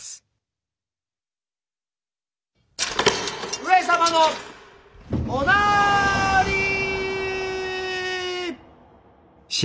・上様のおなーりー。